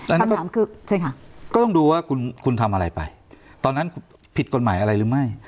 แต่นั่นก็ดูคุณทำอะไรไปตอนนั้นผิดนางค์อะไรหรือไม่